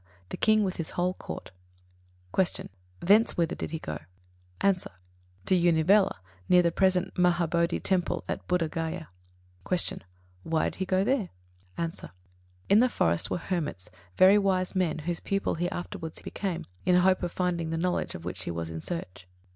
The King with his whole Court. 46a. Q. Thence whither did he go? A. To Uruvela, near the present Mahābōdhi Temple at Buddha Gayā. 47. Q. Why did he go there? A. In the forests were hermits very wise men, whose pupil he afterwards became, in the hope of finding the knowledge of which he was in search.